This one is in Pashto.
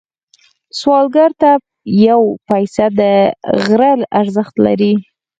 سوالګر ته یو پيسه د غره ارزښت لري